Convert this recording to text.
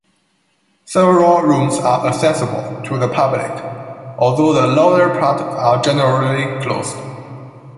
Several rooms are accessible to the public, although the lower parts are generally closed.